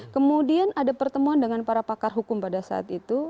kemudian ada pertemuan dengan para pakar hukum pada saat itu